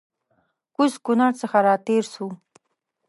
کوز کونړ څخه راتېر سوو